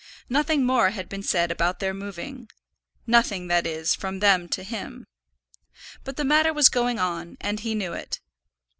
Nothing more had been said about their moving, nothing, that is, from them to him. But the matter was going on, and he knew it.